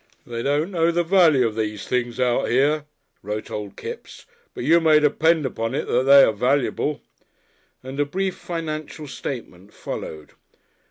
"They don't know the value of these things out here," wrote old Kipps, "but you may depend upon it they are valuable," and a brief financial statement followed.